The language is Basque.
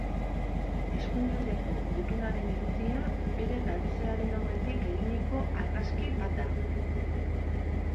Eskuinaldeko gutunaren irudia bere galtzearen aurretik eginiko argazki bat da.